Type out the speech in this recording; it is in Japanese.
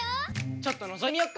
ちょっとのぞいてみよっか！